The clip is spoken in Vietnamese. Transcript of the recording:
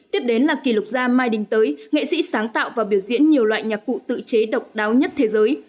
tiếp đến là kỷ lục gia mai đình tới nghệ sĩ sáng tạo và biểu diễn nhiều loại nhạc cụ tự chế độc đáo nhất thế giới